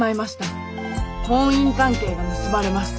婚姻関係が結ばれました。